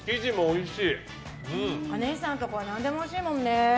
いしさんのところは何でもおいしいもんね。